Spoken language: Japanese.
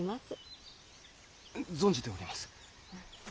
存じております。